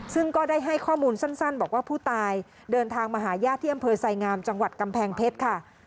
ซึ่งก็ได้ให้ข้อมูลสั้นบอกว่าผู้ตายเดินทางมาหาญาติที่อำเภอไสงามจังหวัดกำแพงเพชรค่ะ